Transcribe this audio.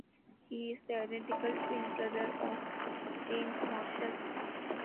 He is the identical twin brother of James Marshall.